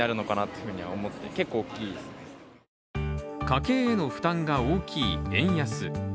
家計への負担が大きい円安。